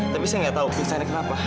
tapi saya gak tau pingsannya kenapa